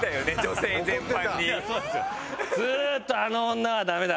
ずーっと「あの女はダメだ」